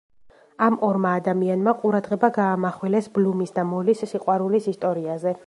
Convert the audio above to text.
ამ ორმა ადამიანმა ყურადღება გაამახვილეს ბლუმის და მოლის სიყვარულის ისტორიაზე.